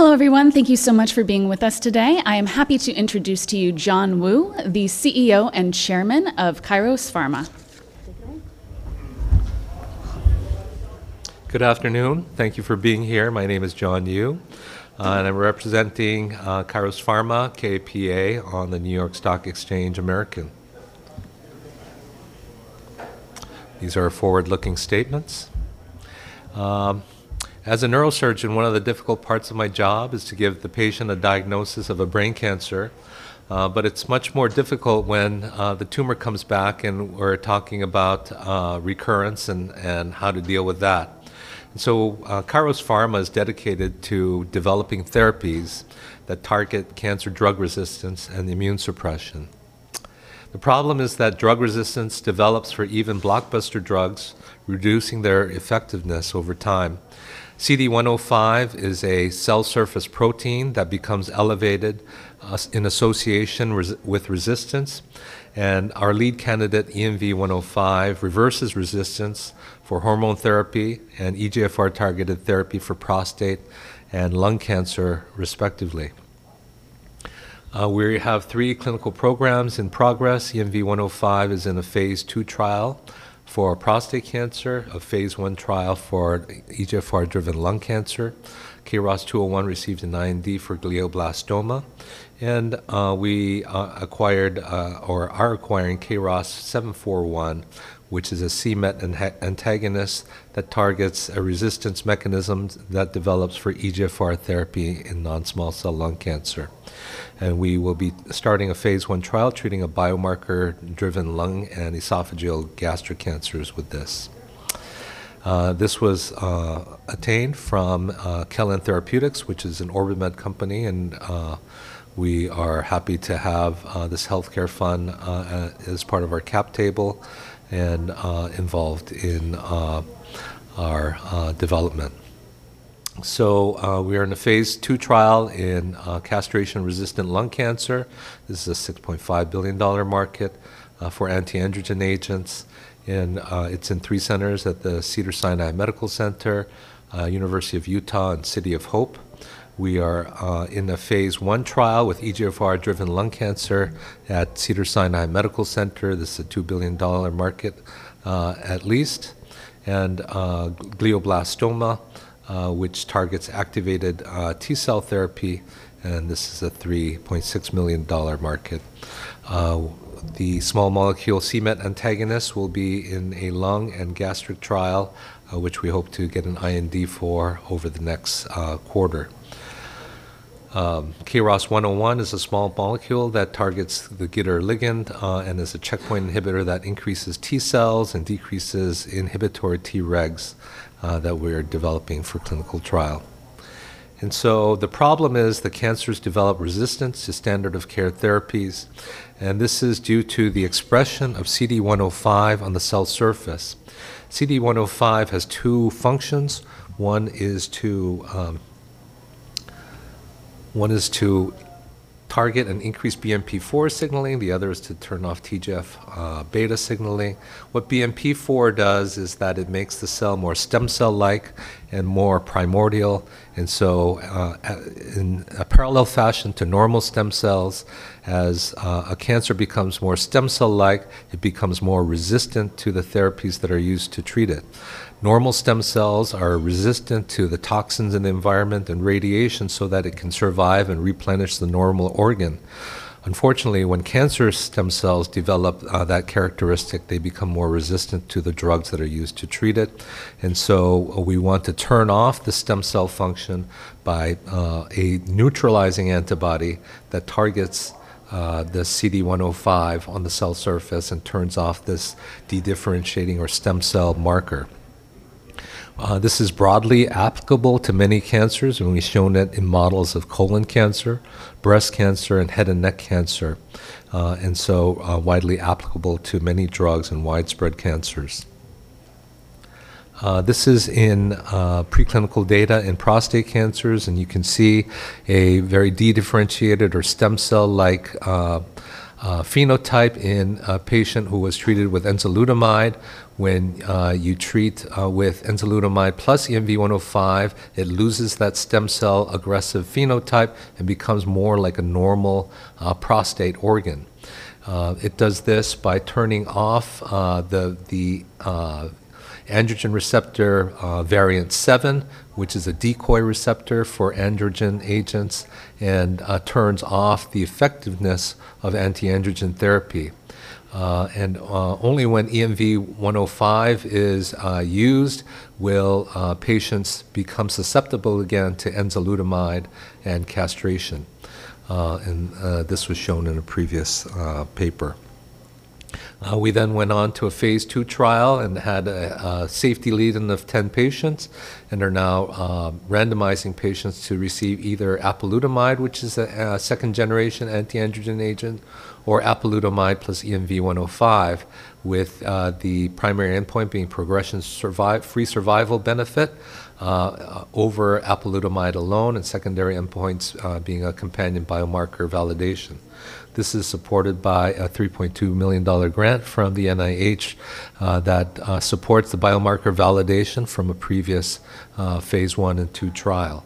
Hello everyone. Thank you so much for being with us today. I am happy to introduce to you John Yu, the CEO and Chairman of Kairos Pharma. Good afternoon. Thank you for being here. My name is John Yu, and I'm representing Kairos Pharma, KAPA, on the New York Stock Exchange American. These are forward-looking statements. As a neurosurgeon, one of the difficult parts of my job is to give the patient a diagnosis of a brain cancer, but it's much more difficult when the tumor comes back and we're talking about recurrence and how to deal with that. Kairos Pharma is dedicated to developing therapies that target cancer drug resistance and immune suppression. The problem is that drug resistance develops for even blockbuster drugs, reducing their effectiveness over time. CD105 is a cell surface protein that becomes elevated in association with resistance, and our lead candidate, ENV-105, reverses resistance for hormone therapy and EGFR-targeted therapy for prostate and lung cancer respectively. We have three clinical programs in progress. ENV-105 is in a phase II trial for prostate cancer, a phase I trial for EGFR-driven lung cancer. KROS 201 received an IND for glioblastoma, we acquired or are acquiring KROS-741, which is a c-Met antagonist that targets a resistance mechanisms that develops for EGFR therapy in non-small cell lung cancer. We will be starting a phase I trial treating a biomarker-driven lung and esophageal gastric cancers with this. This was attained from Celyn Therapeutics, which is an OrbiMed company, we are happy to have this healthcare fund as part of our cap table and involved in our development. We are in a phase II trial in castration-resistant prostate cancer. This is a $6.5 billion market for anti-androgen agents, and it's in three centers at the Cedars-Sinai Medical Center, University of Utah, and City of Hope. We are in a phase I trial with EGFR-driven lung cancer at Cedars-Sinai Medical Center. This is a $2 billion market at least, and glioblastoma, which targets activated T-cell therapy, and this is a $3.6 million market. The small molecule c-Met antagonist will be in a lung and gastric trial, which we hope to get an IND for over the next quarter. KROS 101 is a small molecule that targets the GITR ligand and is a checkpoint inhibitor that increases T-cells and decreases inhibitory Tregs that we're developing for clinical trial. The problem is that cancers develop resistance to standard of care therapies, and this is due to the expression of CD105 on the cell surface. CD105 has two functions. One is to target and increase BMP4 signaling. The other is to turn off TGF-β signaling. What BMP4 does is that it makes the cell more stem cell-like and more primordial. In a parallel fashion to normal stem cells, as a cancer becomes more stem cell-like, it becomes more resistant to the therapies that are used to treat it. Normal stem cells are resistant to the toxins in the environment and radiation so that it can survive and replenish the normal organ. Unfortunately, when cancer stem cells develop that characteristic, they become more resistant to the drugs that are used to treat it. We want to turn off the stem cell function by a neutralizing antibody that targets the CD105 on the cell surface and turns off this dedifferentiating or stem cell marker. This is broadly applicable to many cancers, and we've shown it in models of colon cancer, breast cancer, and head and neck cancer, widely applicable to many drugs and widespread cancers. This is in preclinical data in prostate cancers, and you can see a very dedifferentiated or stem cell-like phenotype in a patient who was treated with enzalutamide. When you treat with enzalutamide plus ENV-105, it loses that stem cell aggressive phenotype and becomes more like a normal prostate organ. It does this by turning off the Androgen Receptor Splice Variant 7, which is a decoy receptor for androgen agents, and turns off the effectiveness of anti-androgen therapy. Only when ENV-105 is used will patients become susceptible again to enzalutamide and castration, and this was shown in a previous paper. We then went on to a phase II trial and had a safety lead in of 10 patients and are now randomizing patients to receive either apalutamide, which is a second-generation anti-androgen agent, or apalutamide plus ENV-105 with the primary endpoint being progression free survival benefit over apalutamide alone and secondary endpoints being a companion biomarker validation. This is supported by a $3.2 million grant from the NIH that supports the biomarker validation from a previous phase I and II trial.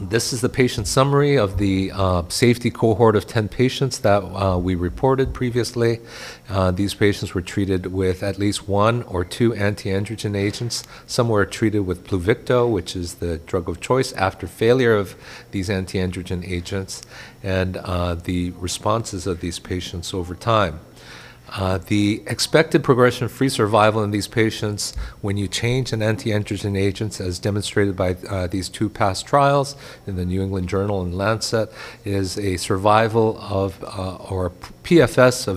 This is the patient summary of the safety cohort of 10 patients that we reported previously. These patients were treated with at least one or two anti-androgen agents. Some were treated with PLUVICTO, which is the drug of choice after failure of these anti-androgen agents and the responses of these patients over time. The expected progression-free survival in these patients when you change an anti-androgen agent, as demonstrated by these two past trials in The New England Journal of Medicine and The Lancet, is a survival of or PFS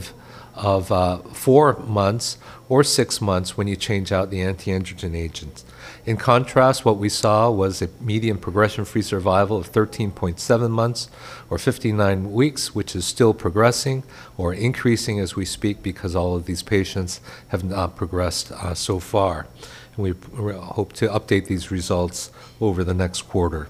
of four months or six months when you change out the anti-androgen agent. In contrast, what we saw was a median progression-free survival of 13.7 months or 59 weeks, which is still progressing or increasing as we speak because all of these patients have not progressed so far. We hope to update these results over the next quarter.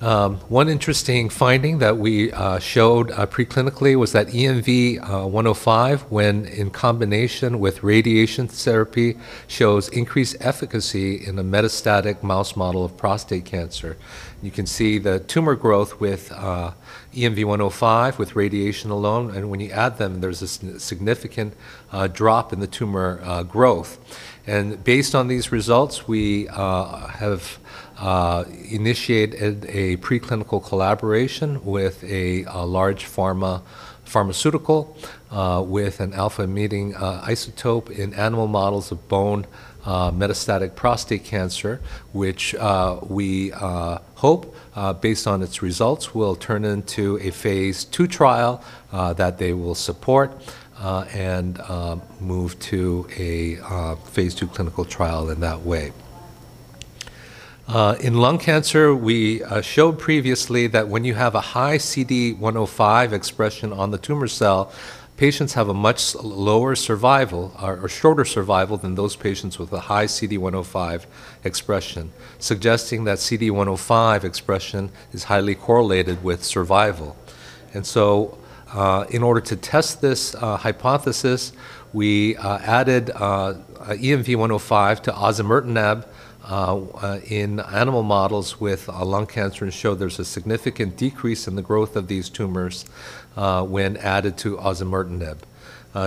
One interesting finding that we showed preclinically was that ENV-105, when in combination with radiation therapy, shows increased efficacy in the metastatic mouse model of prostate cancer. You can see the tumor growth with ENV-105 with radiation alone, and when you add them, there's a significant drop in the tumor growth. Based on these results, we have initiated a preclinical collaboration with a large pharmaceutical with an alpha-emitting isotope in animal models of bone metastatic prostate cancer, which we hope, based on its results, will turn into a phase II trial that they will support and move to a phase II clinical trial in that way. In lung cancer, we showed previously that when you have a high CD105 expression on the tumor cell, patients have a much lower survival or shorter survival than those patients with a high CD105 expression, suggesting that CD105 expression is highly correlated with survival. In order to test this hypothesis, we added ENV-105 to osimertinib in animal models with lung cancer and showed there's a significant decrease in the growth of these tumors when added to osimertinib.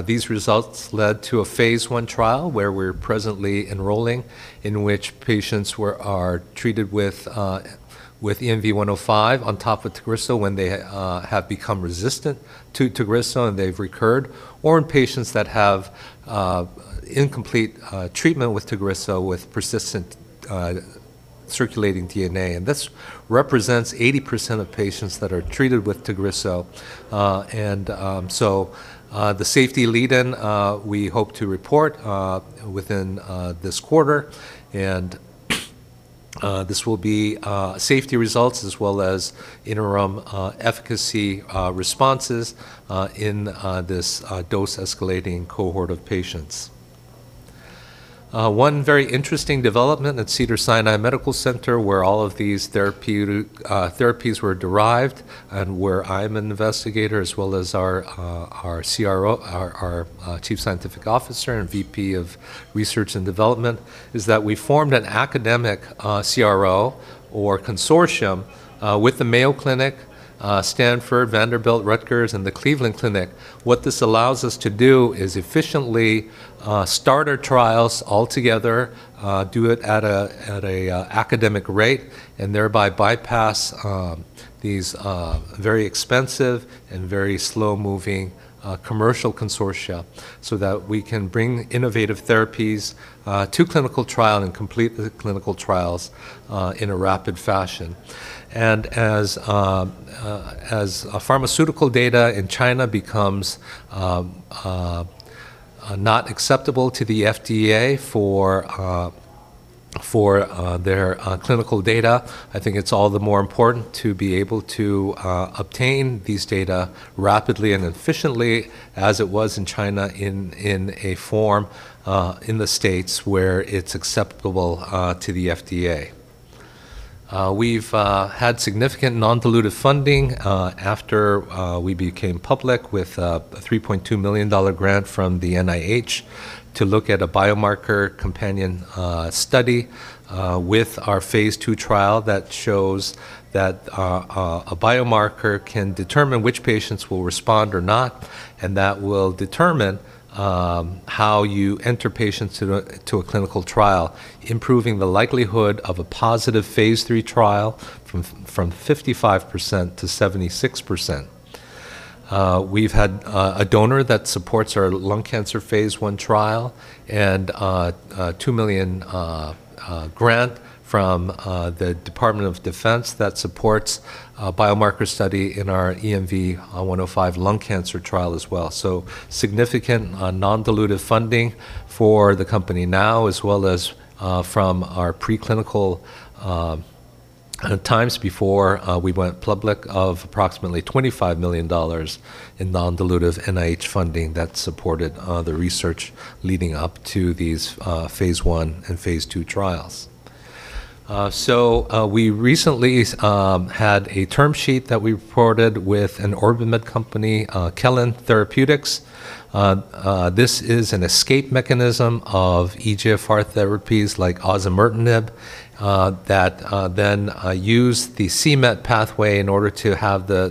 These results led to a phase I trial where we're presently enrolling in which patients are treated with ENV-105 on top of TAGRISSO when they have become resistant to TAGRISSO and they've recurred, or in patients that have incomplete treatment with TAGRISSO with persistent circulating DNA. This represents 80% of patients that are treated with TAGRISSO. The safety lead-in, we hope to report within this quarter and this will be safety results as well as interim efficacy responses in this dose escalating cohort of patients. One very interesting development at Cedars-Sinai Medical Center where all of these therapies were derived and where I'm an investigator as well as our CSO, our Chief Scientific Officer and VP of Research and Development, is that we formed an academic CRO or consortium with the Mayo Clinic, Stanford, Vanderbilt, Rutgers, and the Cleveland Clinic. What this allows us to do is efficiently start our trials all together, do it at an academic rate, and thereby bypass these very expensive and very slow-moving commercial consortia so that we can bring innovative therapies to clinical trial and complete the clinical trials in a rapid fashion. As pharmaceutical data in China becomes not acceptable to the FDA for their clinical data, I think it's all the more important to be able to obtain these data rapidly and efficiently as it was in China in a form in the States. where it's acceptable to the FDA. We've had significant non-dilutive funding after we became public with a $3.2 million grant from the NIH to look at a biomarker companion study with our phase II trial that shows that a biomarker can determine which patients will respond or not, and that will determine how you enter patients to a clinical trial, improving the likelihood of a positive phase III trial from 55% to 76%. We've had a donor that supports our lung cancer phase I trial and a $2 million grant from the Department of Defense that supports a biomarker study in our ENV-105 lung cancer trial as well. Significant non-dilutive funding for the company now as well as from our preclinical times before we went public of approximately $25 million in non-dilutive NIH funding that supported the research leading up to these phase I and phase II trials. We recently had a term sheet that we reported with an OrbiMed company, Celyn Therapeutics. This is an escape mechanism of EGFR therapies like osimertinib that then use the c-Met pathway in order to have the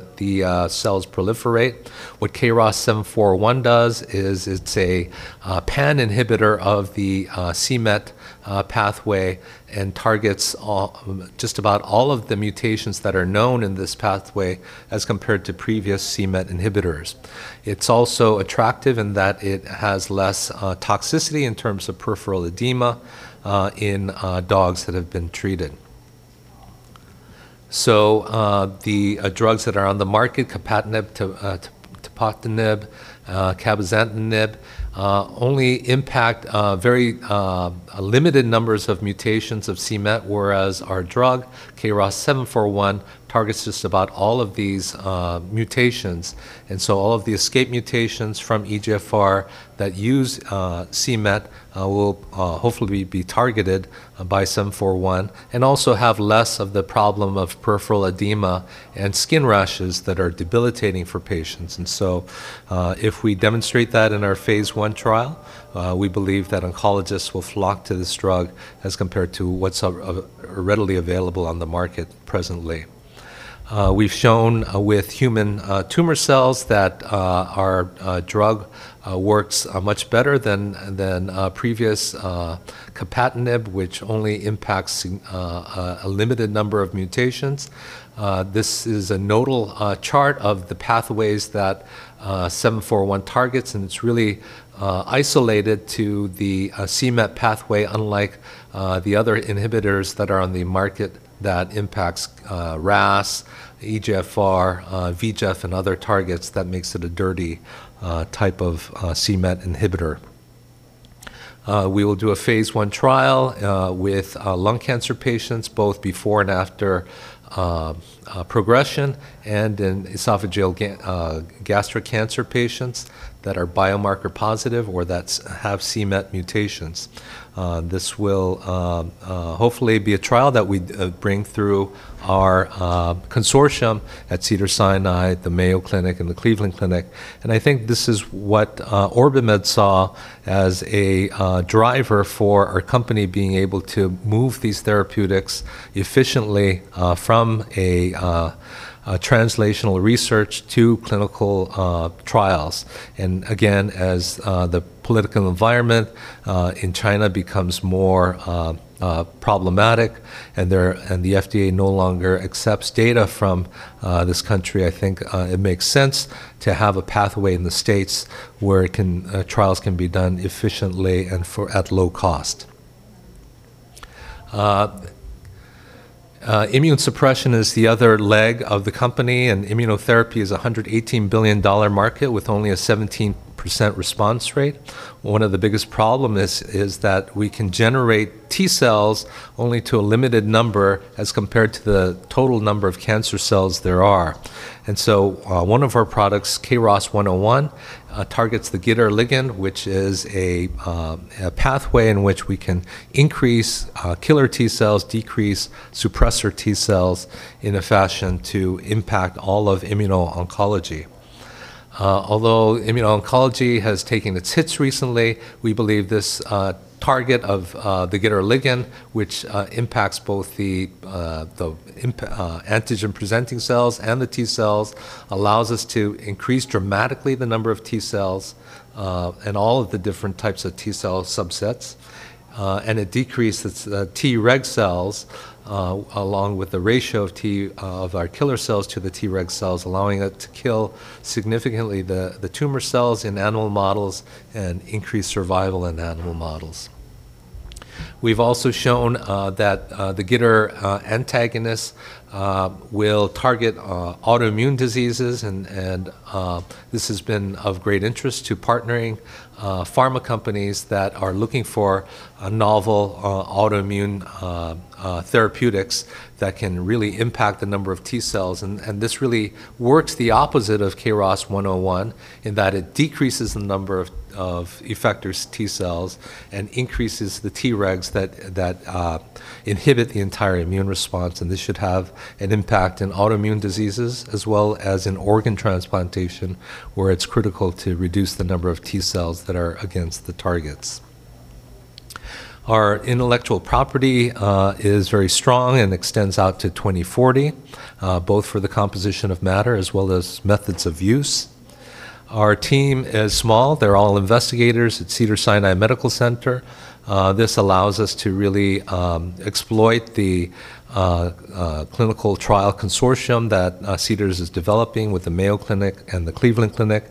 cells proliferate. What KROS-741 does is it's a pan inhibitor of the c-Met pathway and targets just about all of the mutations that are known in this pathway as compared to previous c-Met inhibitors. It's also attractive in that it has less toxicity in terms of peripheral edema in dogs that have been treated. The drugs that are on the market, capmatinib, tepotinib, cabozantinib, only impact very limited numbers of mutations of c-Met, whereas our drug, KROS-741, targets just about all of these mutations. All of the escape mutations from EGFR that use c-Met will hopefully be targeted by 741 and also have less of the problem of peripheral edema and skin rashes that are debilitating for patients. If we demonstrate that in our phase I trial, we believe that oncologists will flock to this drug as compared to what's readily available on the market presently. We've shown with human tumor cells that our drug works much better than previous capmatinib, which only impacts a limited number of mutations. This is a nodal chart of the pathways that 741 targets, and it's really isolated to the c-Met pathway, unlike the other inhibitors that are on the market that impacts RAS, EGFR, VEGF, and other targets that makes it a dirty type of c-Met inhibitor. We will do a phase I trial with lung cancer patients both before and after progression and in esophageal gastric cancer patients that are biomarker positive or have c-Met mutations. This will hopefully be a trial that we'd bring through our consortium at Cedars-Sinai, the Mayo Clinic, and the Cleveland Clinic. I think this is what OrbiMed saw as a driver for our company being able to move these therapeutics efficiently from a translational research to clinical trials. Again, as the political environment in China becomes more problematic and the FDA no longer accepts data from this country, I think it makes sense to have a pathway in the States. where trials can be done efficiently at low cost. Immune suppression is the other leg of the company, and immunotherapy is a $118 billion market with only a 17% response rate. One of the biggest problem is that we can generate T-cells only to a limited number as compared to the total number of cancer cells there are. One of our products, KROS-101, targets the GITR ligand, which is a pathway in which we can increase killer T-cells, decrease suppressor T-cells in a fashion to impact all of immuno-oncology. Although immuno-oncology has taken its hits recently, we believe this target of the GITR ligand, which impacts both the antigen-presenting cells and the T-cells, allows us to increase dramatically the number of T-cells and all of the different types of T-cell subsets. And it decreases Treg cells along with the ratio of our killer cells to the Treg cells, allowing it to kill significantly the tumor cells in animal models and increase survival in animal models. We've also shown that the GITR antagonist will target autoimmune diseases and this has been of great interest to partnering pharma companies that are looking for a novel autoimmune therapeutics that can really impact the number of T-cells. This really works the opposite of KROS-101 in that it decreases the number of effector T-cells and increases the Tregs that inhibit the entire immune response. This should have an impact in autoimmune diseases as well as in organ transplantation, where it's critical to reduce the number of T-cells that are against the targets. Our intellectual property is very strong and extends out to 2040, both for the composition of matter as well as methods of use. Our team is small. They're all investigators at Cedars-Sinai Medical Center. This allows us to really exploit the clinical trial consortium that Cedars is developing with the Mayo Clinic and the Cleveland Clinic.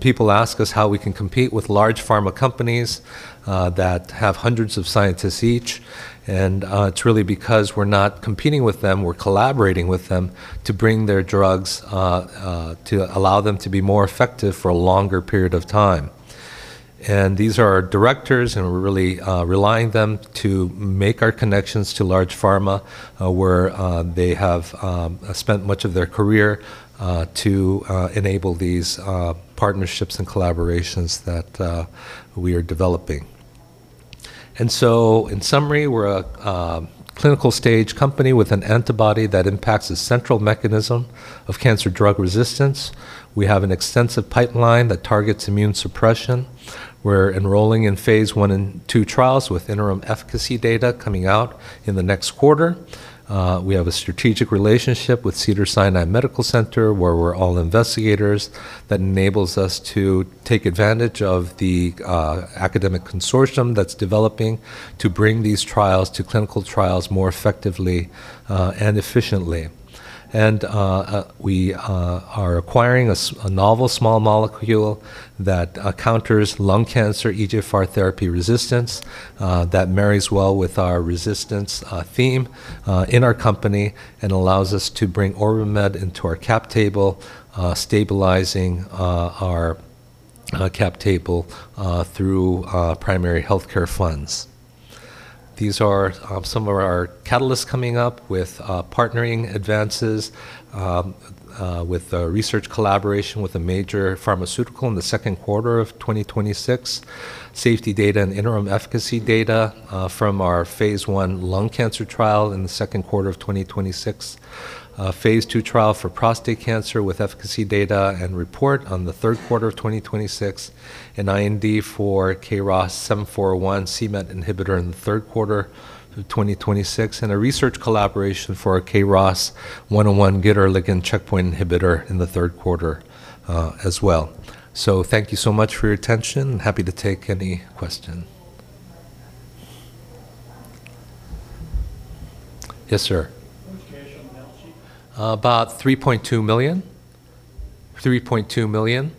People ask us how we can compete with large pharma companies that have hundreds of scientists each. It's really because we're not competing with them, we're collaborating with them to bring their drugs to allow them to be more effective for a longer period of time. These are our directors, and we're really relying them to make our connections to large pharma, where they have spent much of their career to enable these partnerships and collaborations that we are developing. In summary, we're a clinical stage company with an antibody that impacts the central mechanism of cancer drug resistance. We have an extensive pipeline that targets immune suppression. We're enrolling in phase I and II trials with interim efficacy data coming out in the next quarter. We have a strategic relationship with Cedars-Sinai Medical Center, where we're all investigators, that enables us to take advantage of the academic consortium that's developing to bring these trials to clinical trials more effectively and efficiently. We are acquiring a novel small molecule that counters lung cancer EGFR therapy resistance that marries well with our resistance theme in our company and allows us to bring OrbiMed into our cap table, stabilizing our cap table through primary healthcare funds. These are some of our catalysts coming up with partnering advances with a research collaboration with a major pharmaceutical in the second quarter of 2026. Safety data and interim efficacy data from our phase I lung cancer trial in the second quarter of 2026. Phase II trial for prostate cancer with efficacy data and report on the third quarter of 2026. An IND for KROS-741 c-Met inhibitor in the third quarter of 2026. A research collaboration for KROS-101 GITR ligand checkpoint inhibitor in the third quarter as well. Thank you so much for your attention. Happy to take any question. Yes, sir. About $3.2 million, $3.2 million.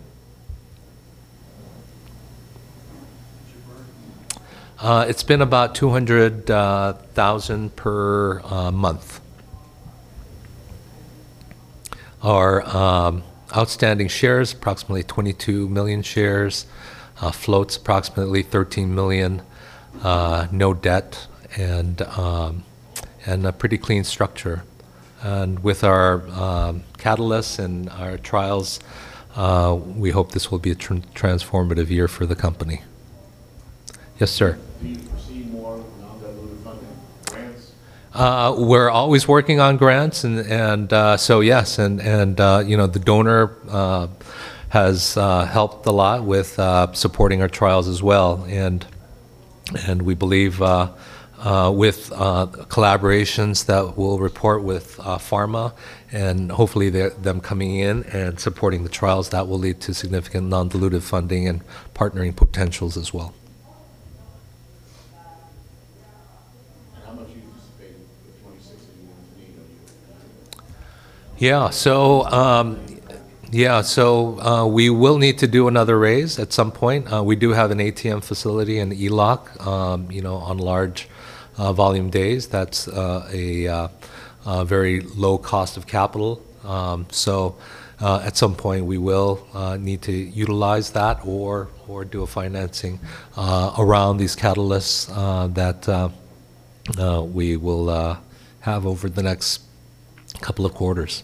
It's been about $200,000 per month. Our outstanding shares, approximately 22 million shares. Floats approximately 13 million, no debt, and a pretty clean structure. With our catalysts and our trials, we hope this will be a transformative year for the company. Yes, sir. We're always working on grants and yes. You know, the donor has helped a lot with supporting our trials as well. We believe with collaborations that we'll report with Pharma and hopefully them coming in and supporting the trials, that will lead to significant non-dilutive funding and partnering potentials as well. How much do you anticipate in 2026 if you want to name it? We will need to do another raise at some point. We do have an ATM facility and ELOC, you know, on large volume days. That's a very low cost of capital. At some point, we will need to utilize that or do a financing around these catalysts that we will have over the next couple of quarters.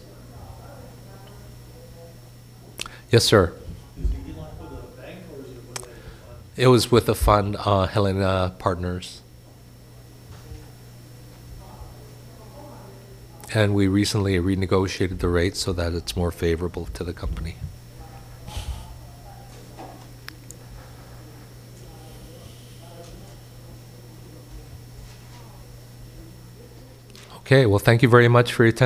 Yes, sir. It was with a fund, Helena Partners. We recently renegotiated the rate so that it's more favorable to the company. Okay, well, thank you very much for your attention.